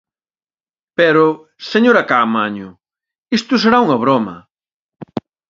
Pero, señora Caamaño, isto será unha broma.